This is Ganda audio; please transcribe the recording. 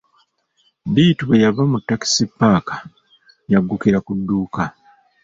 Bittu bwe yava mu takisi paaka yaggukira ku dduuka